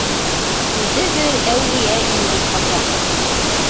Үҙе бер әүлиә ине бит апаң!